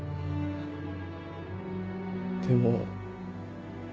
でも。